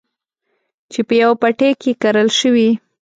چې په يوه پټي کې کرل شوي.